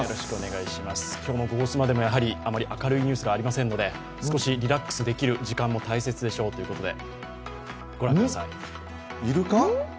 今日の「ゴゴスマ」でもあまり明るいニュースがありませんので少しリラックスできる時間も大切でしょうということで。